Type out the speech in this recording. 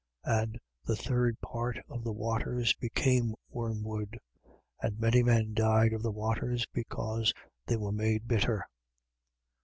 And the third part of the waters became wormwood. And many men died of the waters, because they were made bitter.